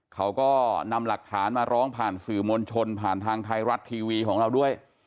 เขาก็นำหลักฐานมาร้องผ่านสื่อมวลชนผ่านทางไทยรัฐทีวีของเราด้วย